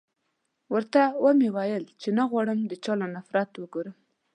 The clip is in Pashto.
ورته و مې ويل چې نه غواړم د چا له نفرت وګورم.